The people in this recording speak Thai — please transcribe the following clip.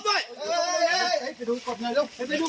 เฮ้ยไปดูกดหน่อยลุก